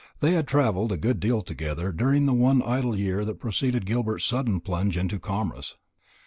They had travelled a good deal together during the one idle year that had preceded Gilbert's sudden plunge into commerce.